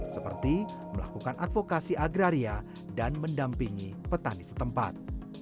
seperti melakukan advokasi agraria dan mendampingi petani setempat